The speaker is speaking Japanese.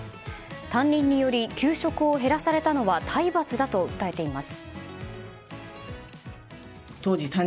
担任により給食を減らされたのは体罰だと訴えています。